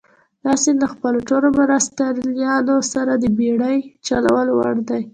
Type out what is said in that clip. دا سیند له خپلو ټولو مرستیالانو سره د بېړۍ چلولو وړ دي.